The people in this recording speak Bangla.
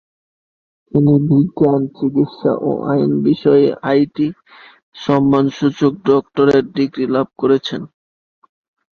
তিনি বিজ্ঞান, চিকিৎসা ও আইন বিষয়ে আটটি সম্মানসূচক ডক্টরেট ডিগ্রি লাভ করেছেন।